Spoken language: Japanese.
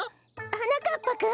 はなかっぱくん！？